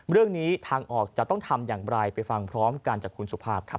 เรื่องนี้ทางออกจะต้องทำอย่างไรไปฟังพร้อมกันจากคุณสุภาพครับ